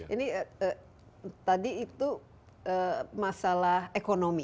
ini tadi itu masalah ekonomi